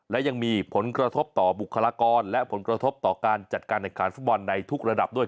และยังมีผลกระทบต่อบุคลากรและผลกระทบต่อการจัดการแข่งขันฟุตบอลในทุกระดับด้วย